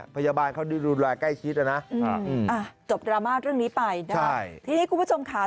พยาบาลเขาดูแลใกล้ชิดนะจบดราม่าเรื่องนี้ไปนะครับทีนี้คุณผู้ชมค่ะ